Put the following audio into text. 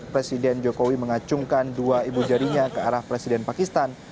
presiden jokowi mengacungkan dua ibu jarinya ke arah presiden pakistan